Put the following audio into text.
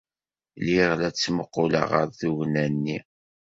Lliɣ la ttmuqquleɣ ɣer tugna-nni.